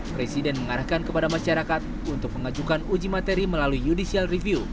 presiden mengarahkan kepada masyarakat untuk mengajukan uji materi melalui judicial review